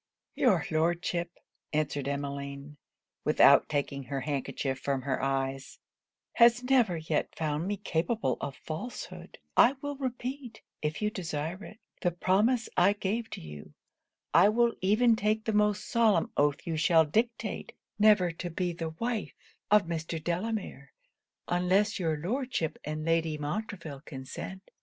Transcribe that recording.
'Your Lordship,' answered Emmeline, without taking her handkerchief from her eyes, 'has never yet found me capable of falsehood: I will repeat, if you desire it, the promise I gave you I will even take the most solemn oath you shall dictate, never to be the wife of Mr. Delamere, unless your Lordship and Lady Montreville consent.'